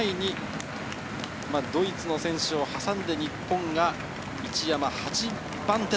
７位にドイツの選手を挟んで、日本の一山、８番手。